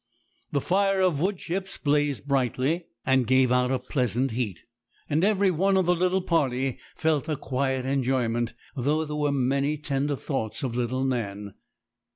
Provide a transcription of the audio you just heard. The fire of wood chips blazed brightly, and gave out a pleasant heat; and every one of the little party felt a quiet enjoyment, though there were many tender thoughts of little Nan.